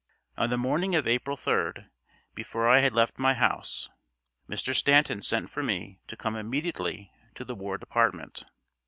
On the morning of April 3d, before I had left my house, Mr. Stanton sent for me to come immediately to the War Department.